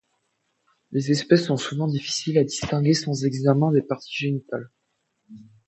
Les espèces sont souvent difficiles à distinguer sans examen des parties génitales.